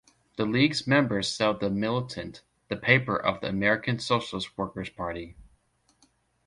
The League's members sell "The Militant", the paper of the American Socialist Workers Party.